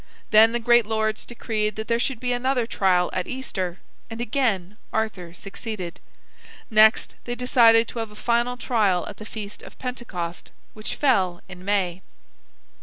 Then the great lords decreed that there should be another trial at Easter, and again Arthur succeeded. Next they decided to have a final trial at the feast of the Pentecost, which fell in May.